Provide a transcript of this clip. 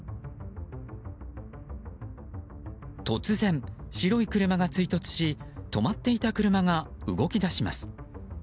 突然、白い車が追突し止まっていた車が動き出します。